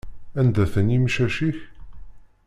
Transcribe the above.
Anda-ten yimcac-ik?